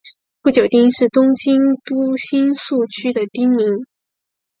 富久町是东京都新宿区的町名。